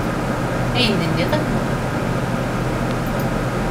Ayen i d-tenniḍ akk meqbul.